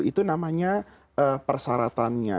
itu namanya persaratannya